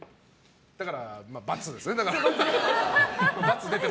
だから、×ですね。